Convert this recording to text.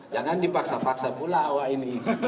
jangan dipaksa paksa pula awak ini